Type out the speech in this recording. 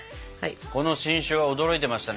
この新種は驚いてましたね。